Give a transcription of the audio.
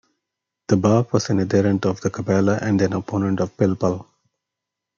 "The Bach" was an adherent of the Kabbalah and an opponent of pilpul.